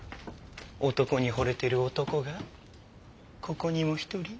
男にほれてる男がここにも一人。